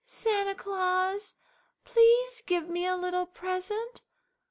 "Santa Claus, please give me a little present.